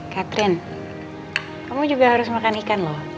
catherine kamu juga harus makan ikan loh